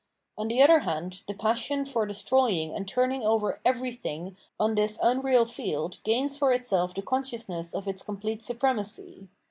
On the other hand the passion for destroying and turning over everything on this unreal field gains for itself the consciousness of its complete supremacy.